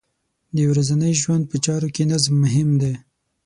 د ورځنۍ ژوند په چارو کې نظم مهم دی.